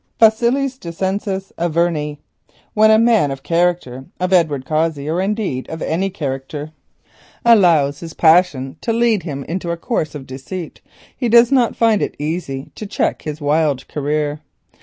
Facilis est descensus Averni. When a man of the character of Edward Cossey, or indeed of any character, allows his passions to lead him into a course of deceit, he does not find it easy to check his wild career.